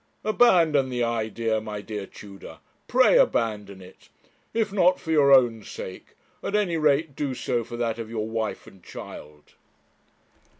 Abandon the idea, my dear Tudor pray abandon it. If not for your own sake, at any rate do so for that of your wife and child.'